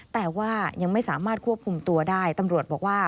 แต่ว่ายังไม่สามารถควบคุมตัวได้ตำรวจบอกว่า